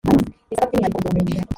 bisaba by umwihariko ubwo bumenyi